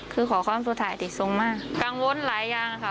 คือขอความสุธายอดีตสูงมากก็อาวเติโอนหลายอย่างค่ะ